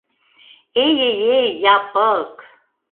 — Эй-эй-эй, Япык!